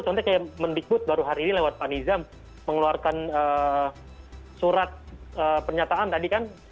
contohnya kayak mendikbud baru hari ini lewat pak nizam mengeluarkan surat pernyataan tadi kan